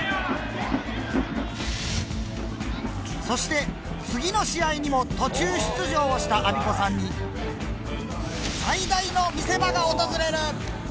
そして次の試合にも途中出場したアビコさんに最大の見せ場が訪れる。